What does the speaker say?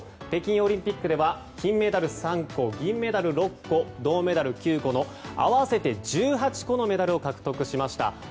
北京オリンピックでは金メダル３個、銀メダル６個銅メダル９個の合わせて１８個のメダルを獲得しました。